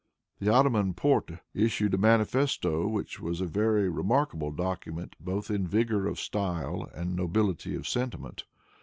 The Ottoman Porte issued a manifesto, which was a very remarkable document both in vigor of style and nobility of sentiment.